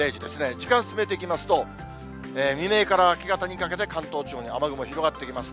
時間進めていきますと、未明から明け方にかけて、関東地方に雨雲広がってきます。